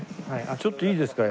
ちょっといいですか？